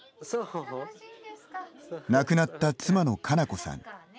亡くなった妻の佳菜子さん。